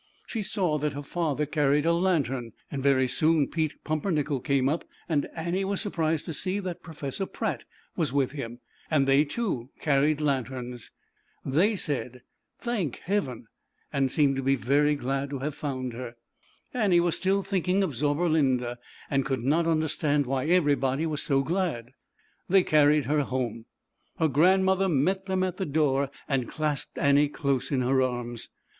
She saw that her father carried a lantern, and very soon Pete Pumpernickel came up, and Annie was surprised to see that Professor Pratt was with him, and they, too, carried lanterns. They said, " Thank Heaven," and seemed to be very glad to have found her. Annie was still thinking of Zauberlinda and could not understand why everybody was so glad. They carried her home. Her grand mother met them at the door and clasped Annie close in her arms.